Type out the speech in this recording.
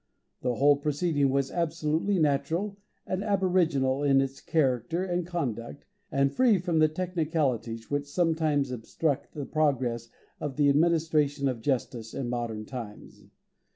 The whole proceeding was absolutely natural and aboriginal in its character and conduct, and free from the technicalities which sometimes obstruct the progress of the administration of justice in modern times.